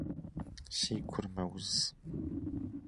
Си гур мэуз.